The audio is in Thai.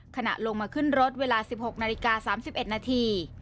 ขณะลงมาขึ้นรถเวลา๑๖นาฬิกา๓๑นาที